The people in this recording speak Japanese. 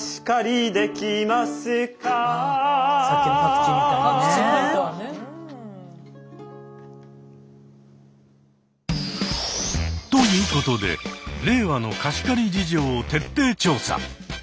パクチー借りたわね。ということで令和の貸し借り事情を徹底調査。